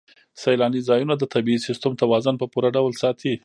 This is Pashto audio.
سیلاني ځایونه د طبعي سیسټم توازن په پوره ډول ساتي.